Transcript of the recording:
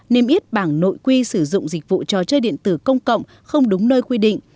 niêm yết bảng nội quy sử dụng dịch vụ trò chơi điện tử công cộng không đúng nơi quy định